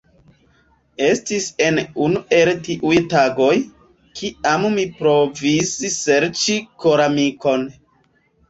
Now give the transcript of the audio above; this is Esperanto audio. Estis en unu el tiuj tagoj, kiam mi provis serĉi koramikon.